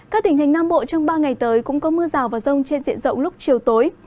các tỉnh hình nam bộ trong ba ngày tới cũng có mưa rào và rông trên diện rộng lúc chiều tối